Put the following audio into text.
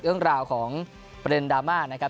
เรื่องราวของประเด็นดราม่านะครับ